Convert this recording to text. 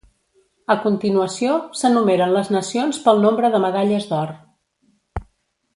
A continuació, s'enumeren les nacions pel nombre de medalles d'or.